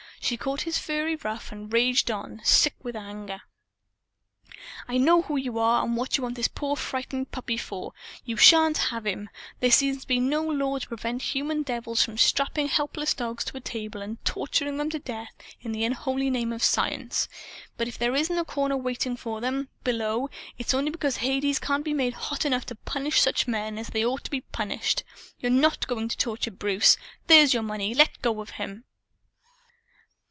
She caught his furry ruff and raged on, sick with anger. "I know who you are and what you want this poor frightened puppy for. You shan't have him! There seems to be no law to prevent human devils from strapping helpless dogs to a table and torturing them to death in the unholy name of science. But if there isn't a corner waiting for them, below, it's only because Hades can't be made hot enough to punish such men as they ought to be punished! You're not going to torture Bruce. There's your money. Let go of him."